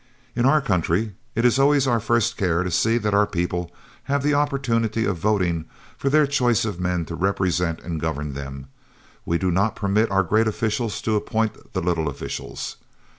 In our country it is always our first care to see that our people have the opportunity of voting for their choice of men to represent and govern them we do not permit our great officials to appoint the little officials.